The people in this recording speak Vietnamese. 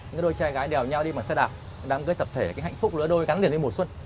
những đôi trai gái đèo nhau đi bằng xe đạp đang tập thể cái hạnh phúc nữa đôi gắn liền với mùa xuân